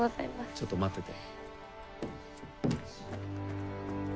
ちょっと待ってて。